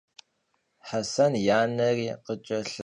Hesen yi aneri khıç'elhış'eç'aş.